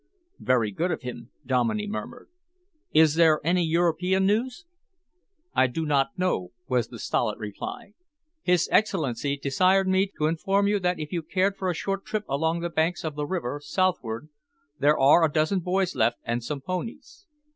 "Very good of him," Dominey murmured. "Is there any European news?" "I do not know," was the stolid reply. "His Excellency desired me to inform you that if you cared for a short trip along the banks of the river, southward, there are a dozen boys left and some ponies.